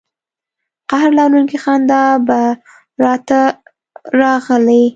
قهر لرونکې خندا به را ته راغلې.